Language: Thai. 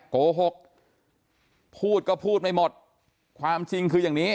โกหกพูดก็พูดไม่หมดความจริงคืออย่างนี้